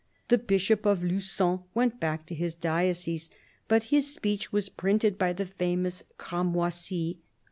The Bishop of Lu9on went back to his diocese ; but his speech was printed by the famous Cramoisy.